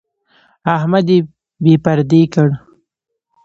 احمد يې بې پردې کړ.